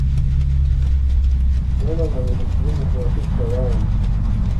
Baana bange mufube mukwate ekkalaamu.